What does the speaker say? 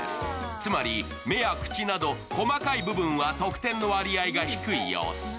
つまり目や口など細かい部分は得点の割合が低い様子。